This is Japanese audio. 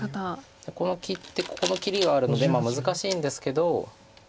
切ってここの切りがあるので難しいんですけど。